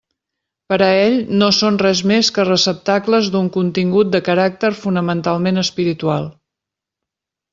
Per a ell no són res més que receptacles d'un contingut de caràcter fonamentalment espiritual.